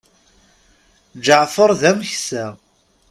Ǧeɛfer d ameksa.